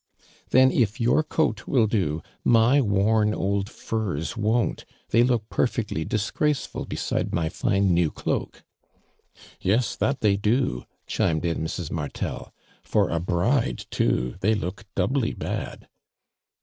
"Then if your coat will do my worn old fui s won't. They look perfectly dis graceful beside my fine new cloak." " Yes, that they do," chimed in Mrs. Martel. For a bride too they look doubly bad."